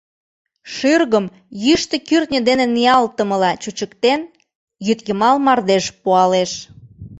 Шӱргым йӱштӧ кӱртньӧ дене ниялтымыла чучыктен, йӱдйымал мардеж пуалеш.